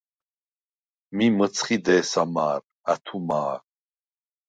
მი მჷცხი დე̄სა მა̄რ, ა̈თუ მა̄რ.